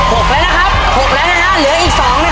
๖แล้วนะครับ๖แล้วนะฮะเดี๋ยวอีก๒ึนั้นแม่